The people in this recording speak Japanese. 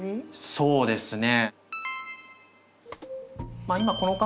そうなんですね。